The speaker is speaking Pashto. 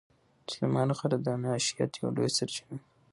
سلیمان غر د معیشت یوه لویه سرچینه ده.